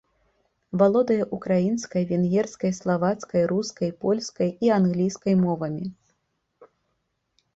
Валодае ўкраінскай, венгерскай, славацкай, рускай, польскай і англійскай мовамі.